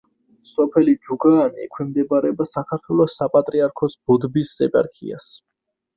სოფელი ჯუგაანი ექვემდებარება საქართველოს საპატრიარქოს ბოდბის ეპარქიას.